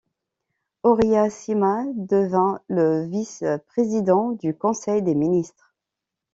Horia Sima devint le vice-président du conseil des ministres.